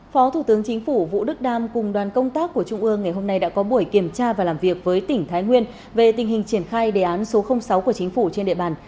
phó thủ tướng chính phủ vũ đức đam cùng đoàn công tác của trung ương ngày hôm nay đã có buổi kiểm tra và làm việc với tỉnh thái nguyên về tình hình triển khai đề án số sáu của chính phủ trên địa bàn